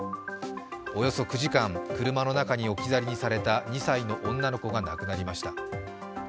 およそ９時間、車の中に置き去りにされた２歳の女の子が亡くなりました。